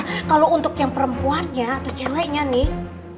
nah kalau untuk yang perempuannya atau ceweknya nih